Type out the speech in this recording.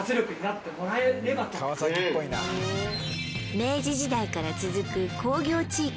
明治時代から続く工業地域